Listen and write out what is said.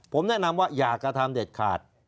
ผมแนะนำว่าอย่ากระทำเด็ดขาด